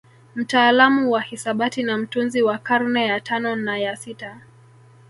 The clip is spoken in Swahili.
Mtaalamu wa hisabati na mtunzi wa karne ya tano na ya sita